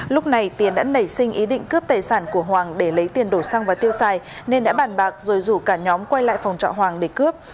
lúc này tiền đã nảy sinh ý định cướp tài sản của hoàng để lấy tiền đổ xăng và tiêu xài nên đã bản bạc rồi rủ cả nhóm quay lại phòng trọ